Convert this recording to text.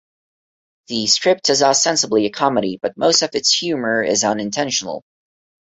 The script is ostensibly a comedy, but most of its humor is unintentional.